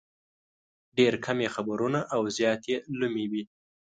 ډېر کم یې خبرونه او زیات یې لومې وي.